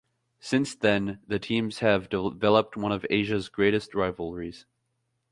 Since then, the teams have developed one of Asia's greatest rivalries.